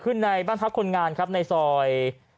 หรือเปล่าที่คุณพูดฟังหน่อย